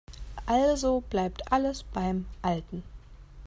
Also bleibt alles beim Alten.